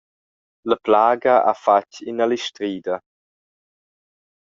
La plaga ha fatg ina listrida.